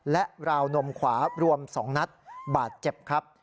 และราวนมขวารวม๒นัดบาดเจ็บครับ